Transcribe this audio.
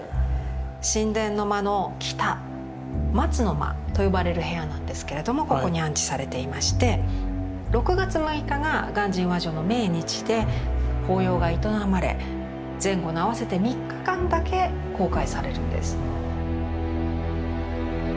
宸殿の間の北松の間と呼ばれる部屋なんですけれどもここに安置されていまして６月６日が鑑真和上の命日で法要が営まれ前後の合わせて３日間だけ公開されるんです。